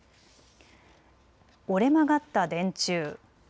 折れ曲がった電柱。